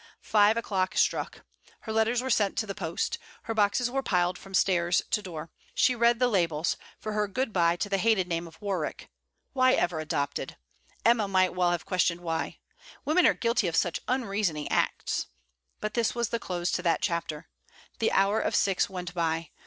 Five o'clock struck. Her letters were sent to the post. Her boxes were piled from stairs to door. She read the labels, for her good bye to the hated name of Warwick: why ever adopted! Emma might well have questioned why! Women are guilty of such unreasoning acts! But this was the close to that chapter. The hour of six went by.